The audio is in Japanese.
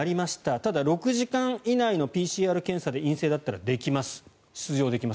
ただ、６時間以内のＰＣＲ検査で陰性だったら出場できます